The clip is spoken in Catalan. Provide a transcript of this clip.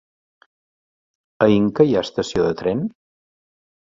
A Inca hi ha estació de tren?